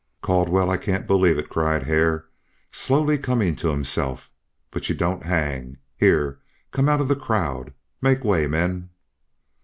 "Caldwell! I can't believe it," cried Hare, slowly coming to himself. "But you don't hang. Here, come out of the crowd. Make way, men!"